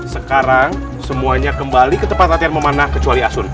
sekarang semuanya kembali ke tempat latihan memanah kecuali asun